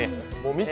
見て！